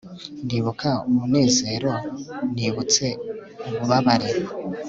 Ndibuka umunezero nibutse ububabare